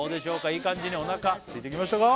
いい感じにおなかすいてきましたか？